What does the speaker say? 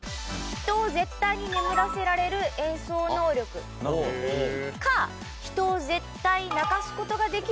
人を絶対に眠らせられる演奏能力か人を絶対泣かす事ができる演奏能力。